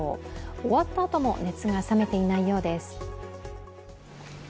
終わったあとも熱が冷めていないようです。